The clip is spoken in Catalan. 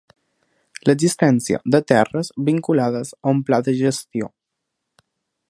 L'existència de terres vinculades a un pla de gestió.